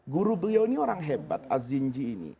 guru beliau ini orang hebat az zinji ini